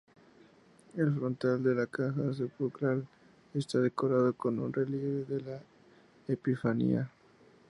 El frontal de la caja sepulcral está decorado con un relieve de la Epifanía.